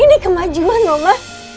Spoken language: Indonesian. ini kemajuan bu ma